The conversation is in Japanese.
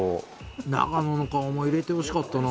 永野の顔も入れてほしかったな